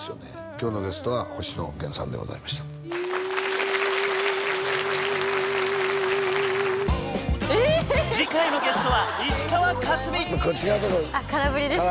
今日のゲストは星野源さんでございました次回のゲストは石川佳純空振りですか？